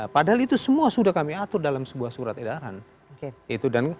padahal itu semua sudah kami atur dalam sebuah surat edaran